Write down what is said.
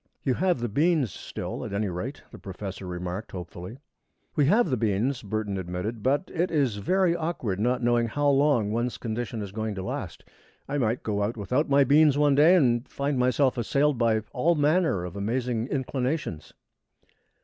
"You have the beans still, at any rate," the professor remarked, hopefully. "We have the beans," Burton admitted, "but it is very awkward not knowing how long one's condition is going to last. I might go out without my beans one day, and find myself assailed by all manner of amazing inclinations."